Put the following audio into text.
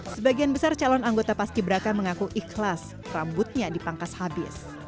sebagian besar calon anggota paski beraka mengaku ikhlas rambutnya dipangkas habis